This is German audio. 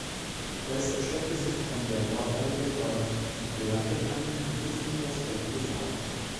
Es erstreckte sich von der Nordeifel bei Blankenheim bis in das heutige Saarland.